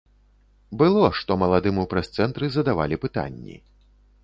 Было, што маладым у прэс-цэнтры задавалі пытанні.